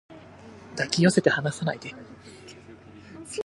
抱き寄せて離さないで